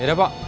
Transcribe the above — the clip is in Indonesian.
ya udah pok